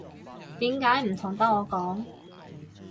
點解唔同得我講